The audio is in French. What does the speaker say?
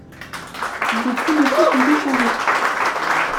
Des coups de feu sont échangés.